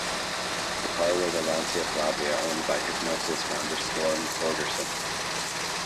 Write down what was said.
The car was a Lancia Flavia owned by Hipgnosis founder Storm Thorgerson.